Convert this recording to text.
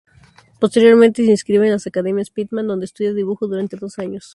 Posteriormente se inscribe en las academias Pitman donde estudia dibujo durante dos años.